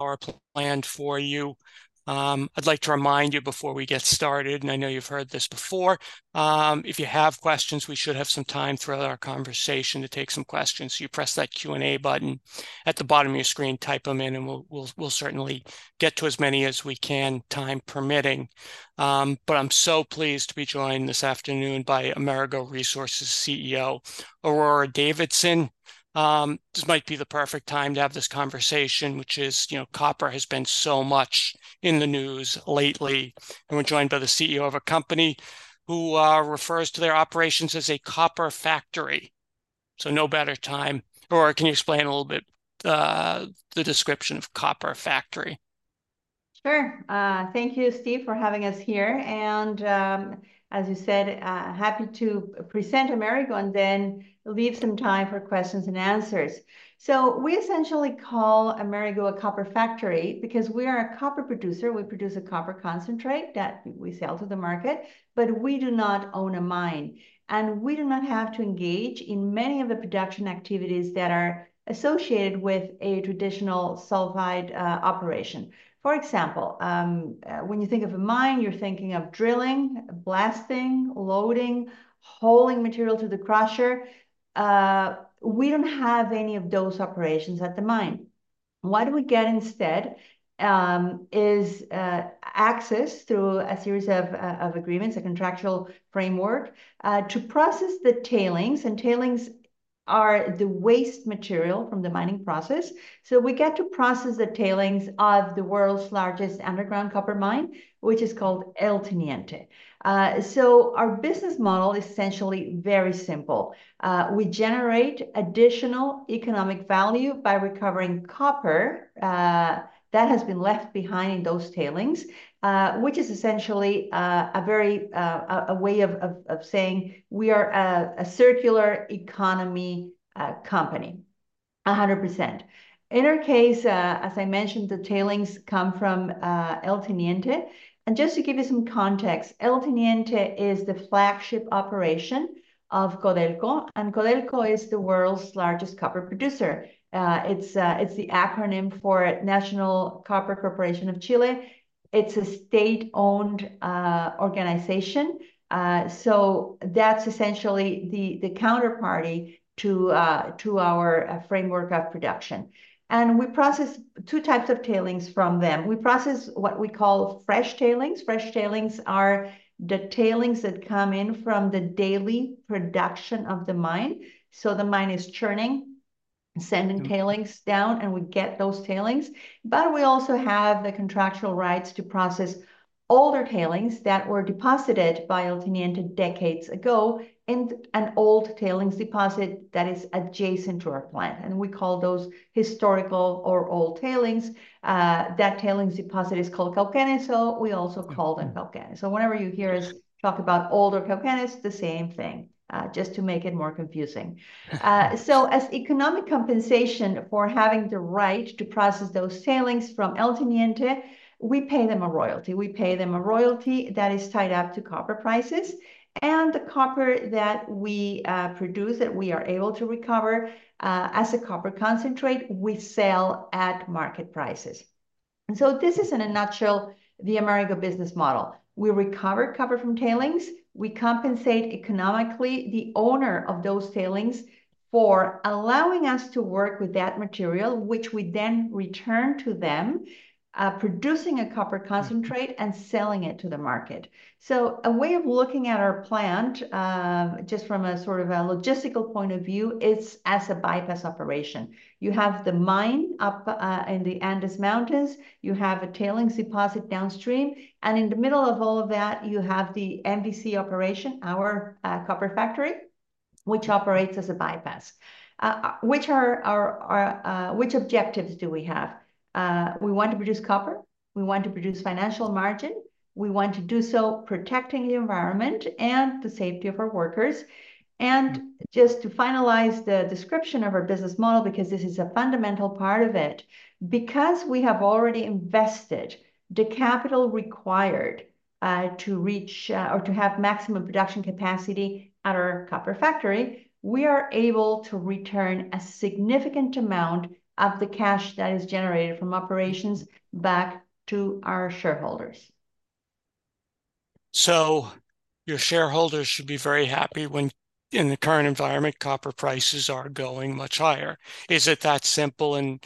Are planned for you. I'd like to remind you before we get started, and I know you've heard this before. If you have questions, we should have some time throughout our conversation to take some questions. You press that Q&A button at the bottom of your screen, type them in, and we'll certainly get to as many as we can, time permitting. But I'm so pleased to be joined this afternoon by Amerigo Resources CEO, Aurora Davidson. This might be the perfect time to have this conversation, which is, you know, copper has been so much in the news lately. And we're joined by the CEO of a company who refers to their operations as a copper factory. So no better time. Aurora, can you explain a little bit the description of copper factory? Sure. Thank you, Steve, for having us here. As you said, happy to present Amerigo and then leave some time for questions and answers. We essentially call Amerigo a copper factory because we are a copper producer. We produce a copper concentrate that we sell to the market, but we do not own a mine. And we do not have to engage in many of the production activities that are associated with a traditional sulfide operation. For example, when you think of a mine, you're thinking of drilling, blasting, loading, hauling material to the crusher. We don't have any of those operations at the mine. What we get instead is access through a series of agreements, a contractual framework, to process the tailings. And tailings are the waste material from the mining process. So we get to process the tailings of the world's largest underground copper mine, which is called El Teniente. Our business model is essentially very simple. We generate additional economic value by recovering copper that has been left behind in those tailings, which is essentially a very way of saying we are a circular economy company, 100%. In our case, as I mentioned, the tailings come from El Teniente. Just to give you some context, El Teniente is the flagship operation of Codelco. Codelco is the world's largest copper producer. It's the acronym for National Copper Corporation of Chile. It's a state-owned organization. That's essentially the counterparty to our framework of production. We process two types of tailings from them. We process what we call fresh tailings. Fresh tailings are the tailings that come in from the daily production of the mine. So the mine is churning, sending tailings down, and we get those tailings. But we also have the contractual rights to process older tailings that were deposited by El Teniente decades ago in an old tailings deposit that is adjacent to our plant. And we call those historical or old tailings. That tailings deposit is called Cauquenes. So we also call them Cauquenes. So whenever you hear us talk about older Cauquenes, the same thing, just to make it more confusing. So as economic compensation for having the right to process those tailings from El Teniente, we pay them a royalty. We pay them a royalty that is tied up to copper prices. And the copper that we produce, that we are able to recover as a copper concentrate, we sell at market prices. And so this is, in a nutshell, the Amerigo business model. We recover copper from tailings. We compensate economically the owner of those tailings for allowing us to work with that material, which we then return to them, producing a copper concentrate and selling it to the market. So a way of looking at our plant just from a sort of a logistical point of view is as a bypass operation. You have the mine up in the Andes Mountains. You have a tailings deposit downstream. And in the middle of all of that, you have the MVC operation, our copper factory, which operates as a bypass. Which objectives do we have? We want to produce copper. We want to produce financial margin. We want to do so protecting the environment and the safety of our workers. Just to finalize the description of our business model, because this is a fundamental part of it, because we have already invested the capital required to reach or to have maximum production capacity at our copper factory, we are able to return a significant amount of the cash that is generated from operations back to our shareholders. So your shareholders should be very happy when, in the current environment, copper prices are going much higher. Is it that simple? And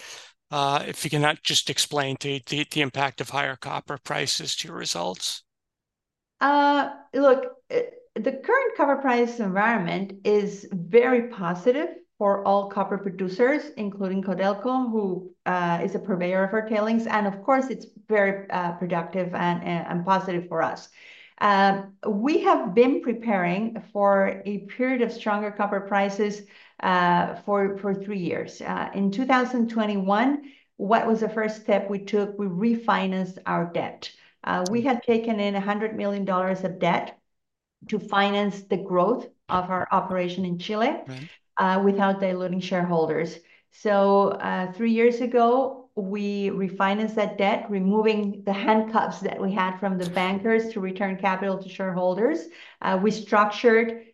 if you can just explain to me the impact of higher copper prices to your results? Look, the current copper price environment is very positive for all copper producers, including Codelco, who is a purveyor of our tailings. Of course, it's very productive and positive for us. We have been preparing for a period of stronger copper prices for three years. In 2021, what was the first step we took? We refinanced our debt. We had taken in $100 million of debt to finance the growth of our operation in Chile without diluting shareholders. Three years ago, we refinanced that debt, removing the handcuffs that we had from the bankers to return capital to shareholders. We structured,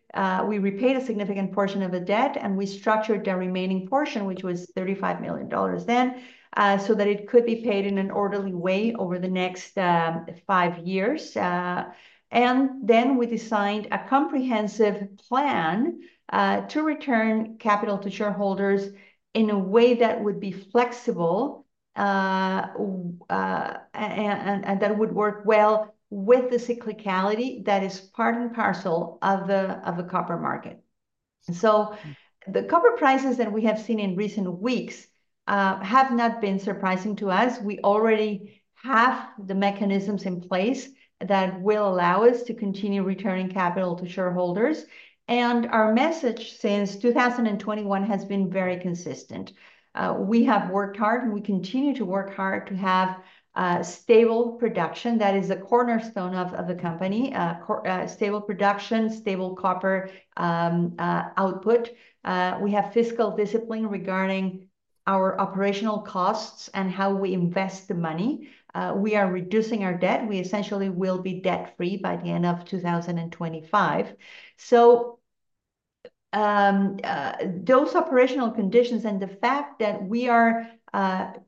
we repaid a significant portion of the debt, and we structured the remaining portion, which was $35 million then, so that it could be paid in an orderly way over the next five years. Then we designed a comprehensive plan to return capital to shareholders in a way that would be flexible and that would work well with the cyclicality that is part and parcel of the copper market. The copper prices that we have seen in recent weeks have not been surprising to us. We already have the mechanisms in place that will allow us to continue returning capital to shareholders. Our message since 2021 has been very consistent. We have worked hard, and we continue to work hard to have stable production that is a cornerstone of the company, stable production, stable copper output. We have fiscal discipline regarding our operational costs and how we invest the money. We are reducing our debt. We essentially will be debt-free by the end of 2025. So those operational conditions and the fact that we are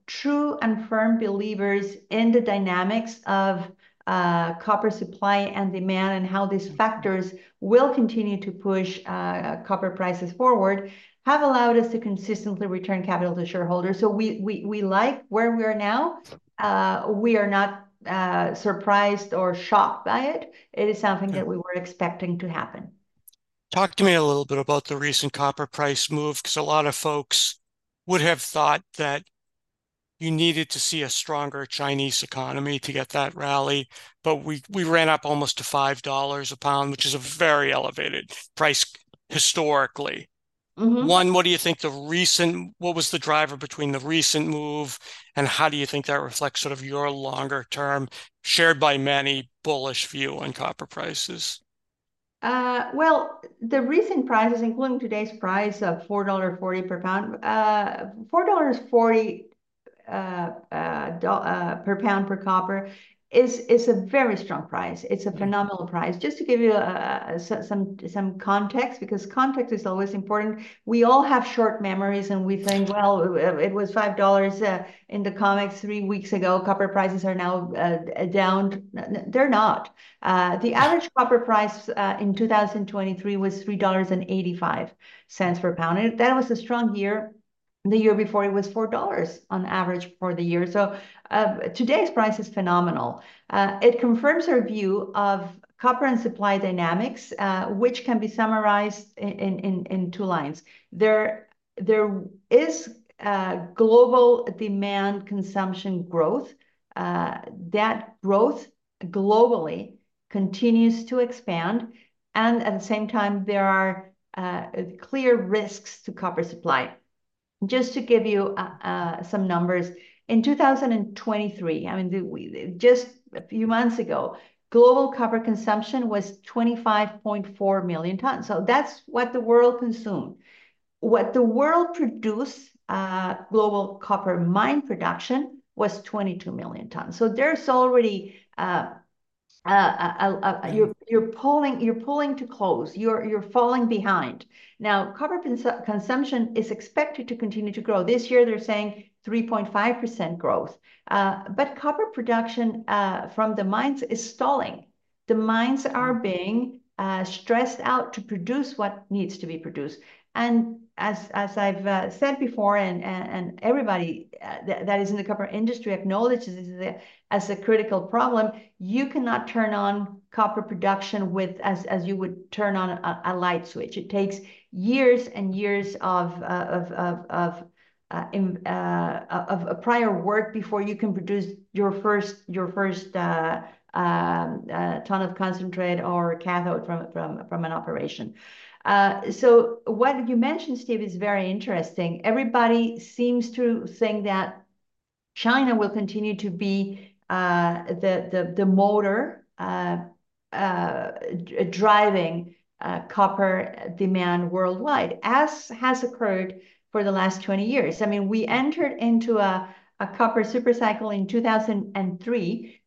true and firm believers in the dynamics of copper supply and demand and how these factors will continue to push copper prices forward have allowed us to consistently return capital to shareholders. So we like where we are now. We are not surprised or shocked by it. It is something that we were expecting to happen. Talk to me a little bit about the recent copper price move, because a lot of folks would have thought that you needed to see a stronger Chinese economy to get that rally. But we ran up almost to $5 a pound, which is a very elevated price historically. One, what do you think the recent, what was the driver between the recent move, and how do you think that reflects sort of your longer-term shared by many bullish view on copper prices? Well, the recent prices, including today's price of $4.40 per pound, $4.40 per pound per copper is a very strong price. It's a phenomenal price. Just to give you some context, because context is always important, we all have short memories and we think, well, it was $5 in the COMEX three weeks ago. Copper prices are now down. They're not. The average copper price in 2023 was $3.85 per pound. That was a strong year. The year before, it was $4 on average for the year. Today's price is phenomenal. It confirms our view of copper and supply dynamics, which can be summarized in two lines. There is global demand consumption growth. That growth globally continues to expand. At the same time, there are clear risks to copper supply. Just to give you some numbers, in 2023, I mean, just a few months ago, global copper consumption was 25.4 million tons. So that's what the world consumed. What the world produced, global copper mine production was 22 million tons. So there's already, you're pulling to close. You're falling behind. Now, copper consumption is expected to continue to grow. This year, they're saying 3.5% growth. But copper production from the mines is stalling. The mines are being stressed out to produce what needs to be produced. And as I've said before, and everybody that is in the copper industry acknowledges this as a critical problem, you cannot turn on copper production as you would turn on a light switch. It takes years and years of prior work before you can produce your first ton of concentrate or cathode from an operation. So what you mentioned, Steve, is very interesting. Everybody seems to think that China will continue to be the motor driving copper demand worldwide, as has occurred for the last 20 years. I mean, we entered into a copper supercycle in 2003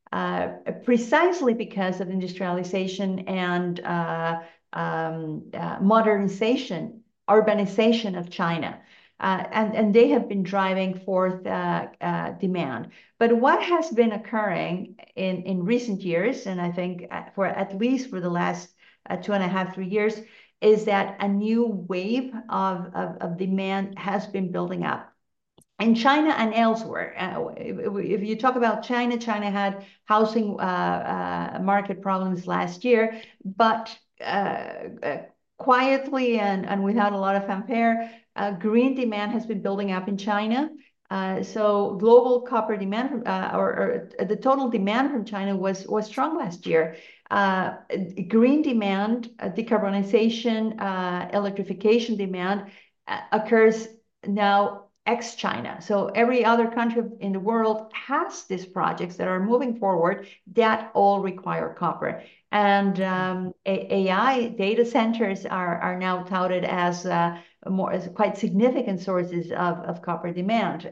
precisely because of industrialization and modernization, urbanization of China. And they have been driving forth demand. But what has been occurring in recent years, and I think for at least for the last two and a half, three years, is that a new wave of demand has been building up in China and elsewhere. If you talk about China, China had housing market problems last year. But quietly and without a lot of fanfare, green demand has been building up in China. So global copper demand, or the total demand from China was strong last year. Green demand, decarbonization, electrification demand occurs now ex-China. So every other country in the world has these projects that are moving forward that all require copper. AI data centers are now touted as quite significant sources of copper demand.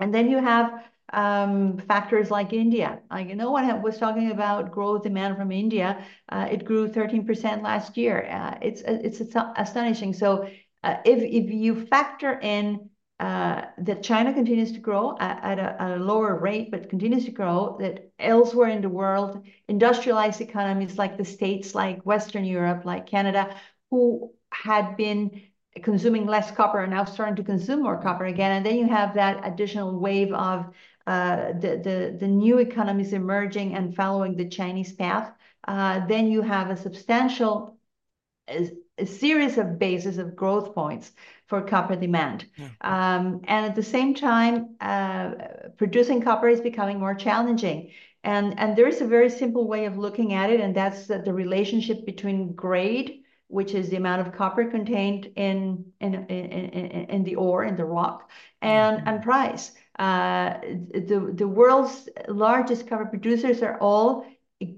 Then you have factors like India. You know what I was talking about, growth demand from India. It grew 13% last year. It's astonishing. If you factor in that China continues to grow at a lower rate, but continues to grow, that elsewhere in the world, industrialized economies like the states, like Western Europe, like Canada, who had been consuming less copper are now starting to consume more copper again. Then you have that additional wave of the new economies emerging and following the Chinese path. You have a substantial series of bases of growth points for copper demand. At the same time, producing copper is becoming more challenging. There is a very simple way of looking at it, and that's the relationship between grade, which is the amount of copper contained in the ore, in the rock, and price. The world's largest copper producers are all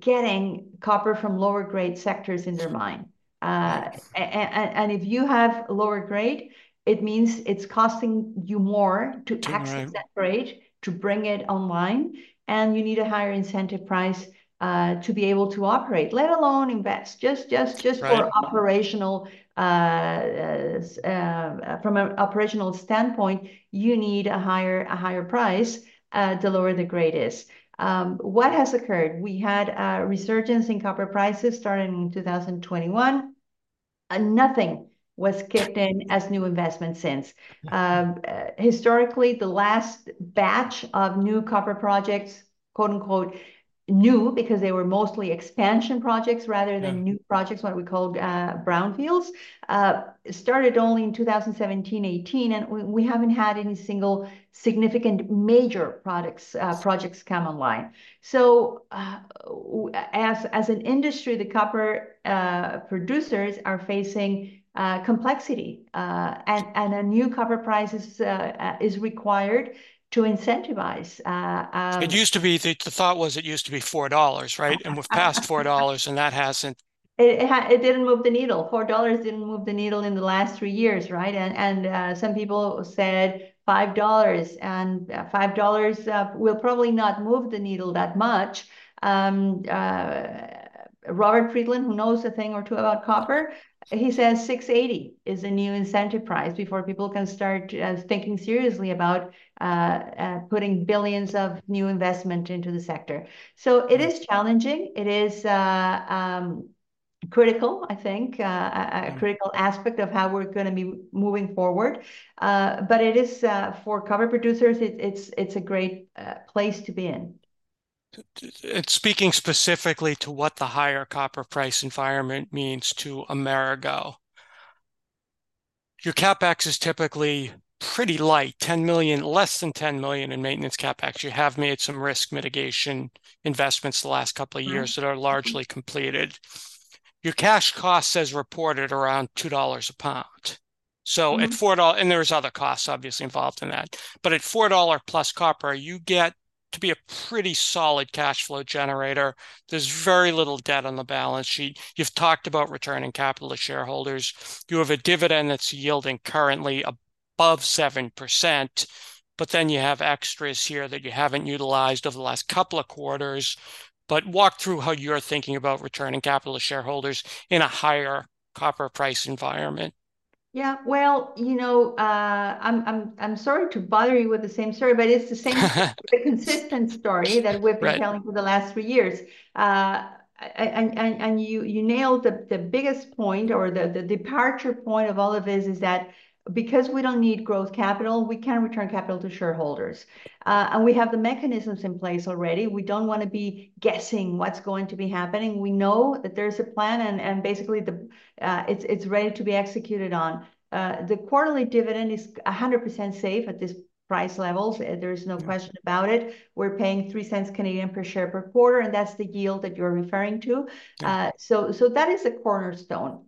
getting copper from lower-grade sectors in their mine. If you have lower grade, it means it's costing you more to access that grade to bring it online. You need a higher incentive price to be able to operate, let alone invest. Just from an operational standpoint, you need a higher price the lower the grade is. What has occurred? We had a resurgence in copper prices starting in 2021. Nothing was kicked in as new investment since. Historically, the last batch of new copper projects, quote unquote, new, because they were mostly expansion projects rather than new projects, what we call brownfields, started only in 2017, 2018. We haven't had any single significant major projects come online. As an industry, the copper producers are facing complexity. A new copper price is required to incentivize. It used to be, the thought was it used to be $4, right? And we've passed $4, and that hasn't. It didn't move the needle. $4 didn't move the needle in the last three years, right? Some people said $5. $5 will probably not move the needle that much. Robert Friedland, who knows a thing or two about copper, he says $6.80 is a new incentive price before people can start thinking seriously about putting billions of new investment into the sector. It is challenging. It is critical, I think, a critical aspect of how we're going to be moving forward. For copper producers, it's a great place to be in. Speaking specifically to what the higher copper price environment means to Amerigo, your CapEx is typically pretty light, $10 million, less than $10 million in maintenance CapEx. You have made some risk mitigation investments the last couple of years that are largely completed. Your cash costs, as reported, around $2 a pound. There's other costs, obviously, involved in that. At $4+ copper, you get to be a pretty solid cash flow generator. There's very little debt on the balance sheet. You've talked about returning capital to shareholders. You have a dividend that's yielding currently above 7%. Then you have extras here that you haven't utilized over the last couple of quarters. Walk through how you're thinking about returning capital to shareholders in a higher copper price environment. Yeah. Well, you know I'm sorry to bother you with the same story, but it's the same consistent story that we've been telling for the last three years. And you nailed the biggest point or the departure point of all of this is that because we don't need growth capital, we can return capital to shareholders. And we have the mechanisms in place already. We don't want to be guessing what's going to be happening. We know that there's a plan, and basically, it's ready to be executed on. The quarterly dividend is 100% safe at these price levels. There is no question about it. We're paying 0.03 per share per quarter, and that's the yield that you're referring to. So that is a cornerstone.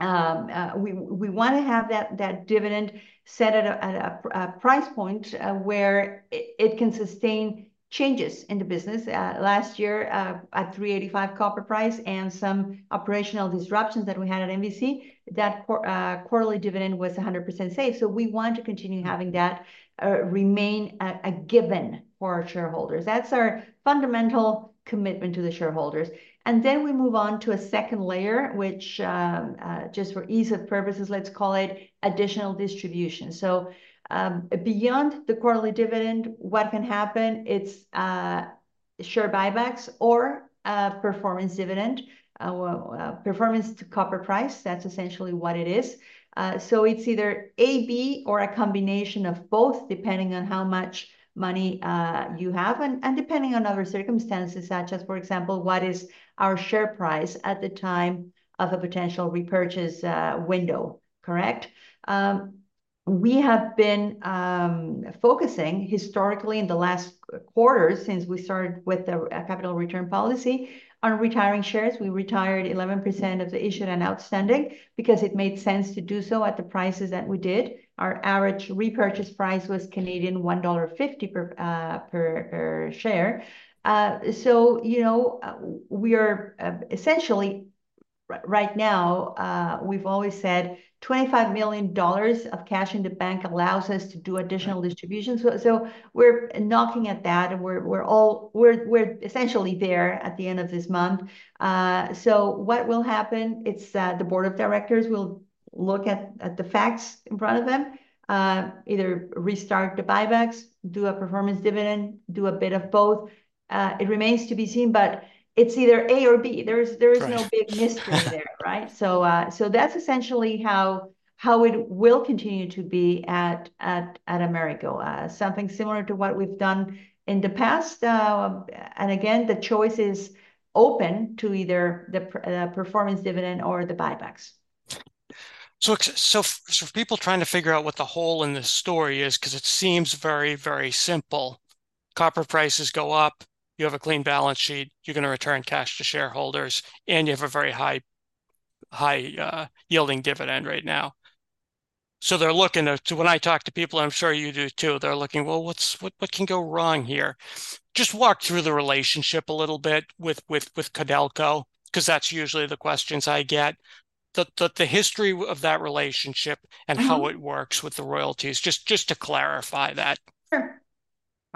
We want to have that dividend set at a price point where it can sustain changes in the business. Last year, at $3.85 copper price and some operational disruptions that we had at MVC, that quarterly dividend was 100% safe. So we want to continue having that remain a given for our shareholders. That's our fundamental commitment to the shareholders. And then we move on to a second layer, which, just for ease of purposes, let's call it additional distribution. So beyond the quarterly dividend, what can happen? It's share buybacks or performance dividend, performance to copper price. That's essentially what it is. So it's either A, B, or a combination of both, depending on how much money you have and depending on other circumstances, such as, for example, what is our share price at the time of a potential repurchase window, correct? We have been focusing historically in the last quarter since we started with the capital return policy on retiring shares. We retired 11% of the issued and outstanding because it made sense to do so at the prices that we did. Our average repurchase price was 1.50 Canadian dollars per share. So we are essentially, right now, we've always said $25 million of cash in the bank allows us to do additional distributions. So we're knocking at that. We're essentially there at the end of this month. So what will happen? The board of directors will look at the facts in front of them, either restart the buybacks, do a performance dividend, do a bit of both. It remains to be seen, but it's either A or B. There is no big mystery there, right? So that's essentially how it will continue to be at Amerigo, something similar to what we've done in the past. And again, the choice is open to either the performance dividend or the buybacks. So for people trying to figure out what the hole in the story is, because it seems very, very simple, copper prices go up, you have a clean balance sheet, you're going to return cash to shareholders, and you have a very high-yielding dividend right now. So they're looking at, when I talk to people, and I'm sure you do too, they're looking, well, what can go wrong here? Just walk through the relationship a little bit with Codelco, because that's usually the questions I get. The history of that relationship and how it works with the royalties, just to clarify that. Sure.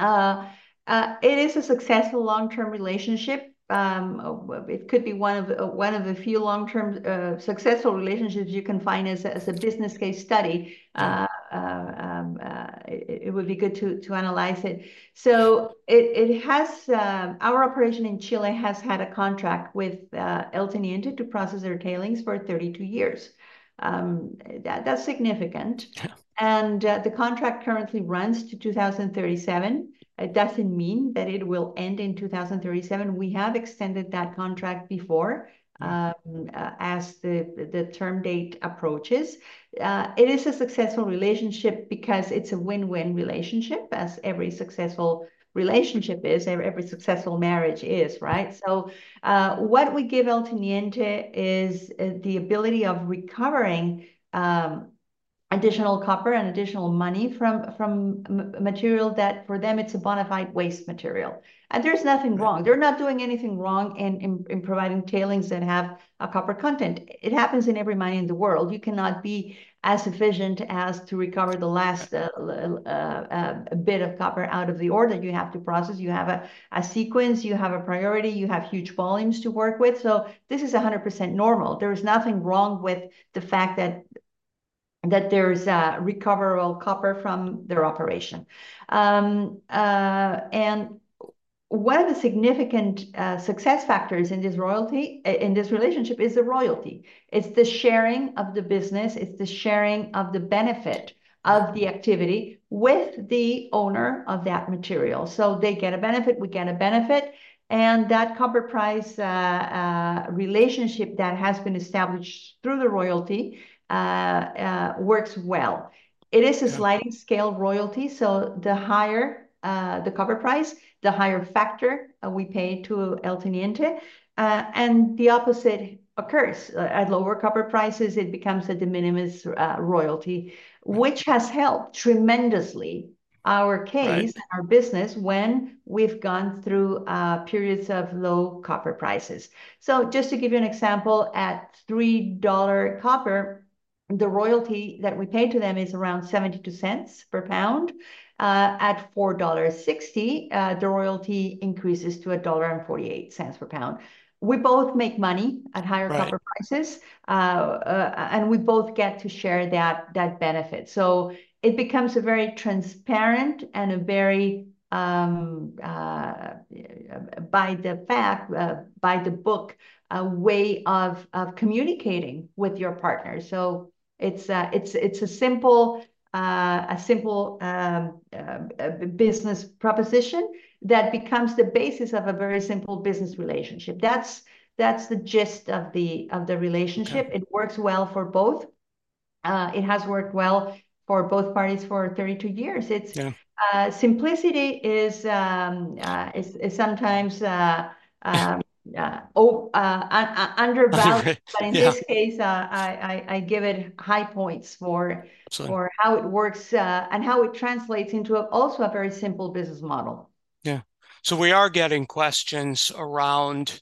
It is a successful long-term relationship. It could be one of the few long-term successful relationships you can find as a business case study. It would be good to analyze it. Our operation in Chile has had a contract with El Teniente to process their tailings for 32 years. That's significant. The contract currently runs to 2037. It doesn't mean that it will end in 2037. We have extended that contract before as the term date approaches. It is a successful relationship because it's a win-win relationship, as every successful relationship is, every successful marriage is, right? So what we give El Teniente is the ability of recovering additional copper and additional money from material that, for them, it's a bona fide waste material. And there's nothing wrong. They're not doing anything wrong in providing tailings that have a copper content. It happens in every mine in the world. You cannot be as efficient as to recover the last bit of copper out of the ore that you have to process. You have a sequence. You have a priority. You have huge volumes to work with. So this is 100% normal. There is nothing wrong with the fact that there's recoverable copper from their operation. And one of the significant success factors in this relationship is the royalty. It's the sharing of the business. It's the sharing of the benefit of the activity with the owner of that material. So they get a benefit. We get a benefit. And that copper price relationship that has been established through the royalty works well. It is a sliding scale royalty. So the higher the copper price, the higher factor we pay to El Teniente. And the opposite occurs. At lower copper prices, it becomes a de minimis royalty, which has helped tremendously our case, our business, when we've gone through periods of low copper prices. So just to give you an example, at $3 copper, the royalty that we pay to them is around $0.72 per pound. At $4.60, the royalty increases to $1.48 per pound. We both make money at higher copper prices, and we both get to share that benefit. So it becomes a very transparent and a very by the book, way of communicating with your partner. So it's a simple business proposition that becomes the basis of a very simple business relationship. That's the gist of the relationship. It works well for both. It has worked well for both parties for 32 years. Simplicity is sometimes undervalued, but in this case, I give it high points for how it works and how it translates into also a very simple business model. Yeah. So we are getting questions around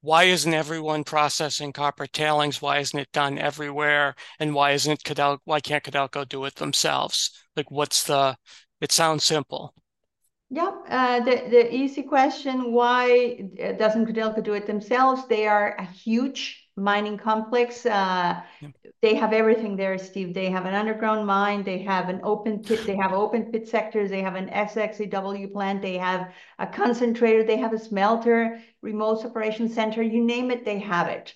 why isn't everyone processing copper tailings? Why isn't it done everywhere? And why can't Codelco do it themselves? It sounds simple. Yep. The easy question, why doesn't Codelco do it themselves? They are a huge mining complex. They have everything there, Steve. They have an underground mine. They have an open pit. They have open pit sectors. They have an SX/EW plant. They have a concentrator. They have a smelter, moly separation center. You name it, they have it.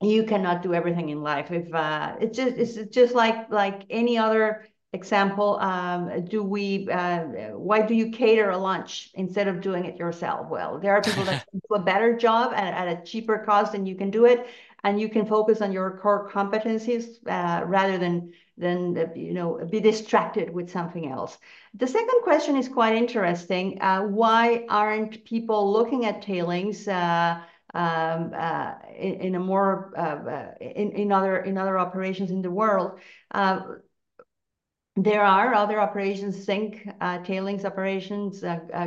You cannot do everything in life. It's just like any other example. Why do you cater a lunch instead of doing it yourself? Well, there are people that can do a better job at a cheaper cost, and you can do it. And you can focus on your core competencies rather than be distracted with something else. The second question is quite interesting. Why aren't people looking at tailings in other operations in the world? There are other operations, zinc tailings operations,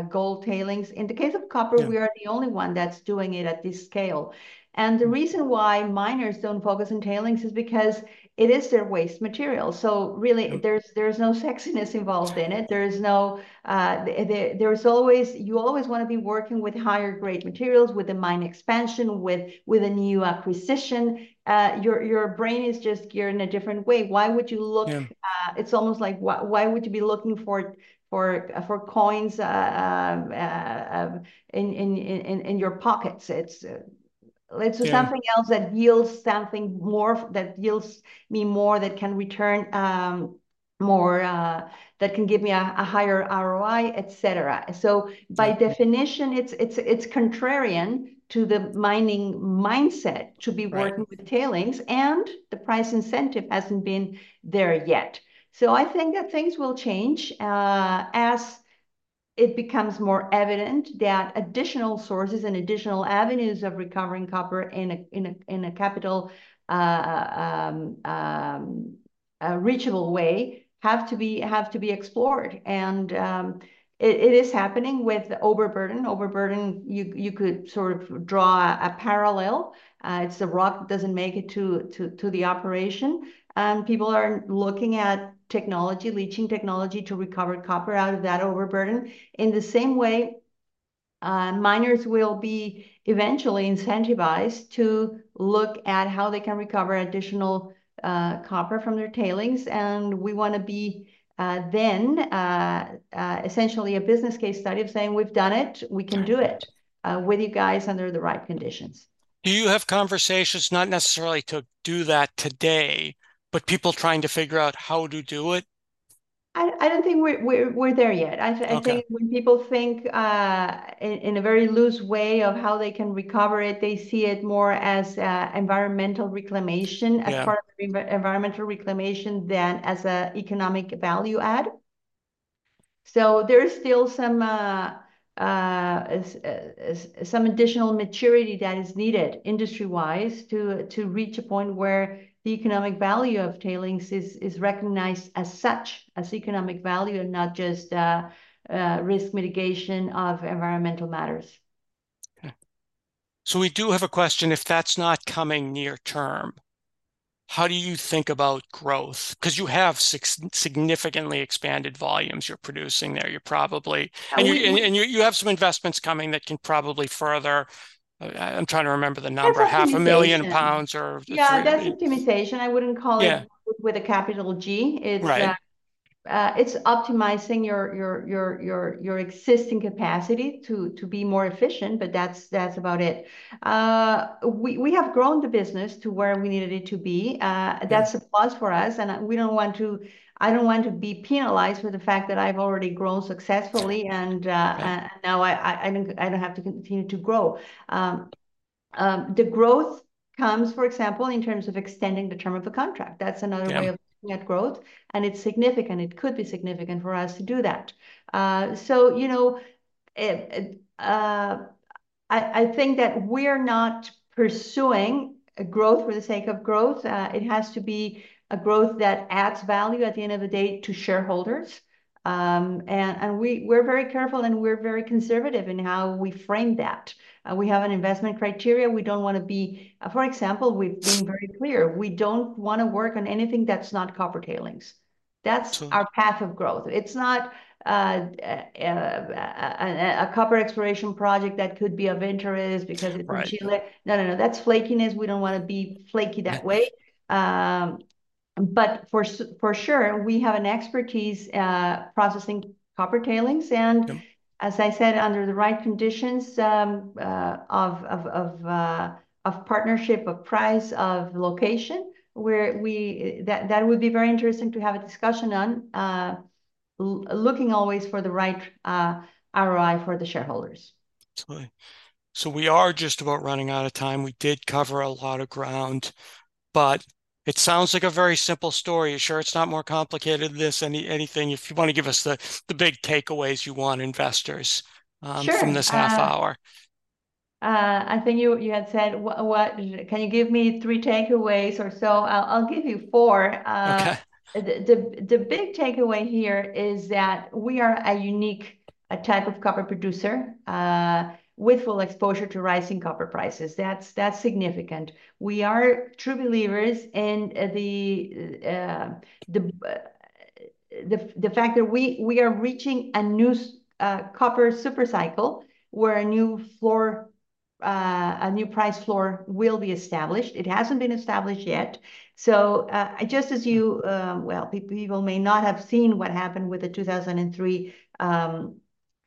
gold tailings. In the case of copper, we are the only one that's doing it at this scale. The reason why miners don't focus on tailings is because it is their waste material. Really, there's no sexiness involved in it. You always want to be working with higher-grade materials with the mine expansion, with a new acquisition. Your brain is just geared in a different way. Why would you look? It's almost like, why would you be looking for coins in your pockets? Let's do something else that yields something more that yields me more, that can return more, that can give me a higher ROI, et cetera. By definition, it's contrarian to the mining mindset to be working with tailings, and the price incentive hasn't been there yet. So, I think that things will change as it becomes more evident that additional sources and additional avenues of recovering copper in a capital reachable way have to be explored. It is happening with overburden. Overburden, you could sort of draw a parallel. It's the rock that doesn't make it to the operation. People are looking at technology, leaching technology to recover copper out of that overburden. In the same way, miners will be eventually incentivized to look at how they can recover additional copper from their tailings. We want to be then essentially a business case study of saying, we've done it. We can do it with you guys under the right conditions. Do you have conversations, not necessarily to do that today, but people trying to figure out how to do it? I don't think we're there yet. I think when people think in a very loose way of how they can recover it, they see it more as environmental reclamation, as part of environmental reclamation than as an economic value add. So there is still some additional maturity that is needed industry-wise to reach a point where the economic value of tailings is recognized as such, as economic value, and not just risk mitigation of environmental matters. Okay. So we do have a question. If that's not coming near term, how do you think about growth? Because you have significantly expanded volumes you're producing there. And you have some investments coming that can probably further. I'm trying to remember the number, 500,000 pounds or something. Yeah, that's optimization. I wouldn't call it with a capital G. It's optimizing your existing capacity to be more efficient, but that's about it. We have grown the business to where we needed it to be. That's a plus for us. I don't want to be penalized for the fact that I've already grown successfully, and now I don't have to continue to grow. The growth comes, for example, in terms of extending the term of the contract. That's another way of looking at growth. It's significant. It could be significant for us to do that. So I think that we're not pursuing growth for the sake of growth. It has to be a growth that adds value at the end of the day to shareholders. We're very careful, and we're very conservative in how we frame that. We have an investment criteria. We don't want to be, for example. We've been very clear. We don't want to work on anything that's not copper tailings. That's our path of growth. It's not a copper exploration project that could be of interest because it's in Chile. No, no, no. That's flakiness. We don't want to be flaky that way. But for sure, we have an expertise processing copper tailings. And as I said, under the right conditions of partnership, of price, of location, that would be very interesting to have a discussion on, looking always for the right ROI for the shareholders. We are just about running out of time. We did cover a lot of ground, but it sounds like a very simple story. Sure, it's not more complicated than this. Anything, if you want to give us the big takeaways you want investors from this half hour. Sure. I think you had said, can you give me 3 takeaways or so? I'll give you 4. The big takeaway here is that we are a unique type of copper producer with full exposure to rising copper prices. That's significant. We are true believers in the fact that we are reaching a new copper supercycle where a new price floor will be established. It hasn't been established yet. So just as you well, people may not have seen what happened with the 2003 cycle.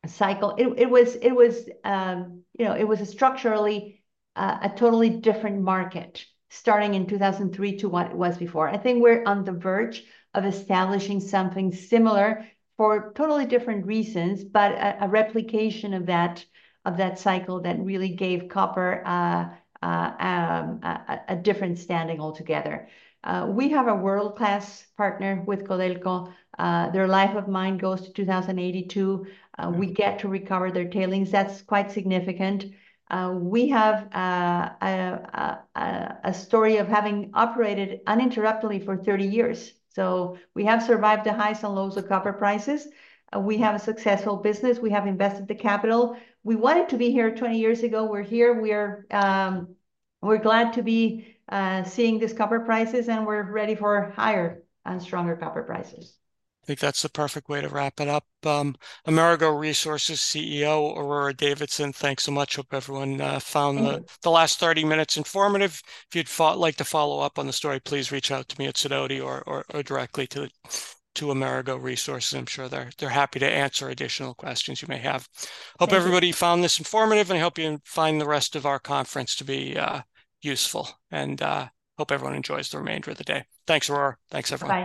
It was a structurally a totally different market starting in 2003 to what it was before. I think we're on the verge of establishing something similar for totally different reasons, but a replication of that cycle that really gave copper a different standing altogether. We have a world-class partner with Codelco. Their life of mine goes to 2082. We get to recover their tailings. That's quite significant. We have a story of having operated uninterruptedly for 30 years. So we have survived the highs and lows of copper prices. We have a successful business. We have invested the capital. We wanted to be here 20 years ago. We're here. We're glad to be seeing these copper prices, and we're ready for higher and stronger copper prices. I think that's the perfect way to wrap it up. Amerigo Resources CEO, Aurora Davidson, thanks so much. Hope everyone found the last 30 minutes informative. If you'd like to follow up on the story, please reach out to me at Sidoti or directly to Amerigo Resources. I'm sure they're happy to answer additional questions you may have. Hope everybody found this informative, and I hope you find the rest of our conference to be useful. Hope everyone enjoys the remainder of the day. Thanks, Aurora. Thanks, everyone.